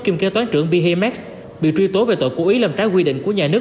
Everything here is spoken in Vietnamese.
kiêm kế toán trưởng bhmex bị truy tố về tội cố ý làm trái quy định của nhà nước